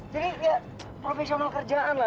jadi ya profesional kerjaan lah